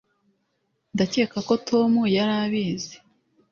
ndakeka ko tom yari abizi